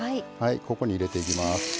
ここに入れていきます。